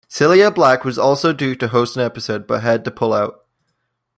Cilla Black was also due to host an episode, but had to pull out.